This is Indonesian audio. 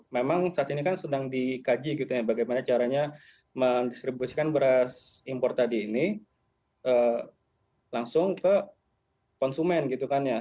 memang saat ini kan sedang dikaji gitu ya bagaimana caranya mendistribusikan beras impor tadi ini langsung ke konsumen gitu kan ya